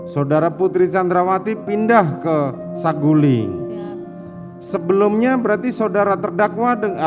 saudara putri candrawati pindah ke saguling sebelumnya berarti saudara terdakwa